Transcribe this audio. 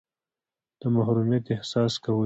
د محرومیت احساس کوئ.